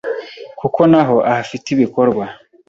kuko naho ahafite ibikorwa.